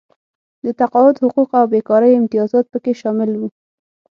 د تقاعد حقوق او بېکارۍ امتیازات پکې شامل وو.